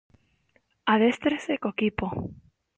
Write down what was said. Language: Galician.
Adéstrase co equipo.